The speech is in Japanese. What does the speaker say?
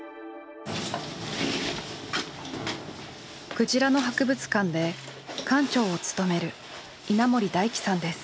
くじらの博物館で館長を務める稲森大樹さんです。